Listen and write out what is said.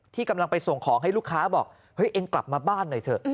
กำลังไปส่งของให้ลูกค้าบอกเฮ้ยเองกลับมาบ้านหน่อยเถอะ